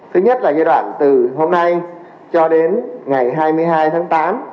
thứ nhất là giai đoạn từ hôm nay cho đến ngày hai mươi hai tháng tám